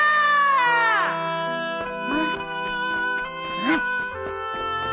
うん！